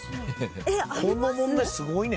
この問題すごいね。